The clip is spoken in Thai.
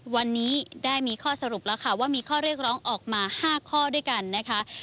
วันนี้ได้มีข้อสรุปแล้วค่ะว่ามีข้อเรียกร้องออกมา๕ข้อด้วยกันนะคะ